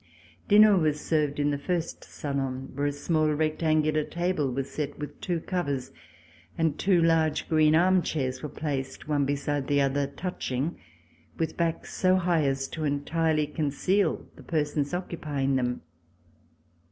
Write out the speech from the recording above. Dinner was served in the first salon, where a small rectangular table was set with two covers, and two large green armchairs were placed one beside the other, touching, with backs so high as entirely to conceal the persons occupying them.